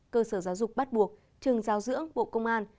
cơ sở giáo dục bắt buộc trường giáo dưỡng bộ công an